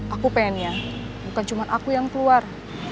aku pengennya bukan cuma aku yang keluar